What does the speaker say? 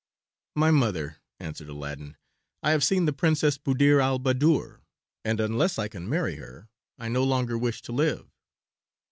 "My mother," answered Aladdin, "I have seen the Princess Buddir al Baddoor, and unless I can marry her I no longer wish to live."